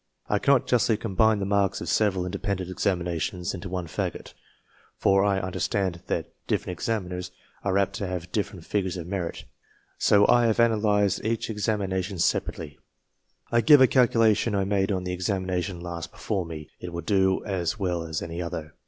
I cannot justly combine the marks of several independent exami nations into one fagot, for I understand that different examiners are apt to' nave different figures of merit ; so each examination was analysed separately. The following is a calculation I made on the examination last before me ; it will do as well as any other.